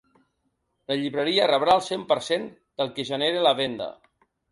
La llibreria rebrà el cent per cent del que genere la venda.